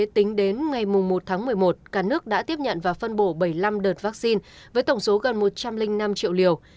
tính đến ngày một tháng một mươi một cả nước đã tiếp nhận và phân bổ bảy mươi năm đợt vaccine với tổng số gần một trăm linh năm triệu liều